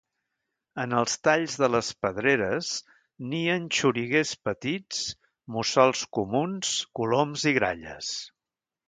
En els talls de les pedreres nien xoriguers petits, mussols comuns, coloms i gralles.